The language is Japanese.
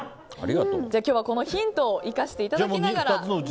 今日はこのヒントを生かしていただきながら。